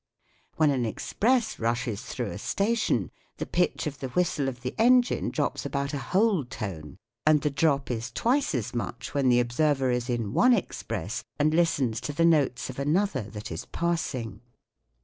When an express rushes through a station the pitch of the whistle of the engine drops about a whole tone, and the drop is twice as much when the observer is in one express and listens to the notes of another that is. passing.